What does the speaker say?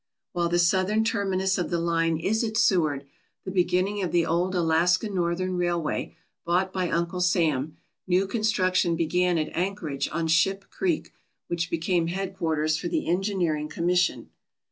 While the southern terminus of the line is at Seward, the beginning of the old Alaska Northern Railway, bought by Uncle Sam, new construction began at Anchor age on Ship Creek, which became headquarters for the Engineering Commission.